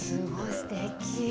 すてき。